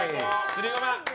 すりごま。